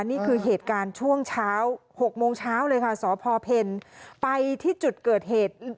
นี่คือเหตุการณ์ช่วงเช้า๖โมงเช้าเลยค่ะสพเพลไปที่จุดเกิดเหตุ